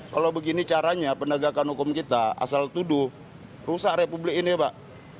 kalau begini caranya penegakan hukum kita asal tuduh rusak republik ini ya pak